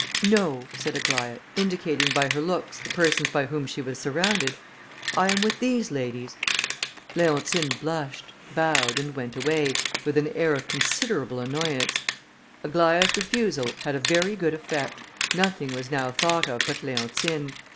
"No," said Aglaïa, indicating by her looks the persons by whom she was surrounded, "I am with these ladies." Leontine blushed, bowed, and went away, with an air of considerable annoyance. Aglaïa's refusal had a very good effect; nothing was now thought of but Leontine.